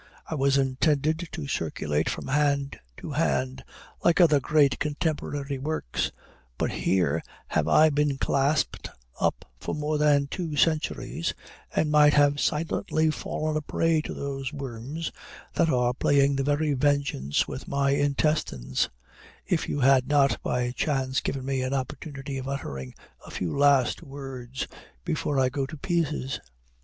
I was intended to circulate from hand to hand, like other great contemporary works; but here have I been clasped up for more than two centuries, and might have silently fallen a prey to these worms that are playing the very vengeance with my intestines, if you had not by chance given me an opportunity of uttering a few last words before I go to pieces."